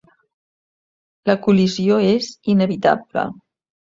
La col·lisió és inevitable.